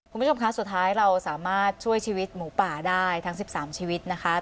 คุณผู้ชมคะสุดท้ายเราสามารถช่วยชีวิตหมูป่าได้ทั้ง๑๓ชีวิตนะคะ